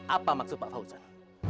apa maksud pak fauzan